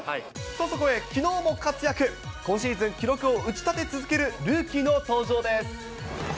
と、そこできのうも活躍、今シーズン、記録を打ち立て続けるルーキーの登場です。